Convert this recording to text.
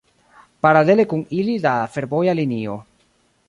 Paralele kun ili la fervoja linio.